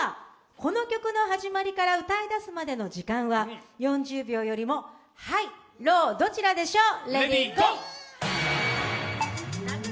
この曲の始まりから歌い出すまでの時間は４０秒よりもハイローどちらでしょう？